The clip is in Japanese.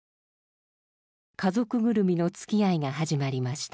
家族ぐるみのつきあいが始まりました。